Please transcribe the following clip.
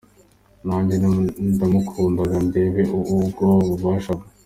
Nanjye nti uyu ndamukanaga ndebe ubwo bubasha bwe!